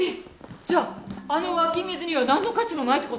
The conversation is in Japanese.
じゃああの湧き水にはなんの価値もないって事？